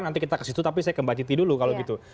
nanti kita ke situ tapi saya ke mbak citi dulu kalau gitu